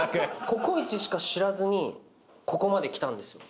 ココイチしか知らずにここまできたんですよ。